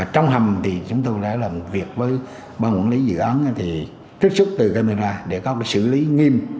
trong hầm thì chúng tôi đã làm việc với ban quản lý dự án trích xuất từ camera để có sử lý nghiêm